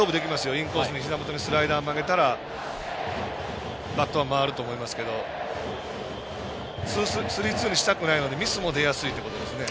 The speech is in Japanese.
インコースにひざ元にスライダーを曲げたらバットは曲がると思いますがスリーツーにしたくないのでミスも出やすいっていうところですね。